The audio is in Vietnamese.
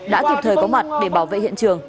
đã kịp thời có mặt để bảo vệ hiện trường